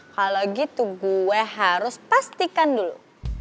kalau gitu gue harus pastikan dulu